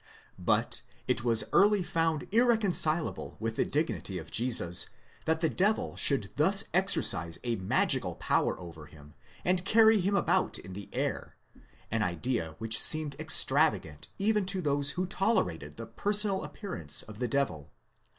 But it was early found irreconcilable with the dignity of Jesus that the devil should thus exercise a magical power over him, and carry him about in the air;!* an idea which seemed extravagant even to those who tolerated the personal appearance of the devil.